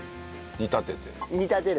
煮立てて。